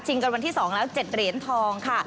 กันวันที่๒แล้ว๗เหรียญทองค่ะ